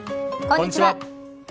こんにちは。